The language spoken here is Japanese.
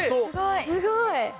すごい。